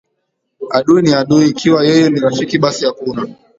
adui ni adui Ikiwa yeye ni rafiki basi hakuna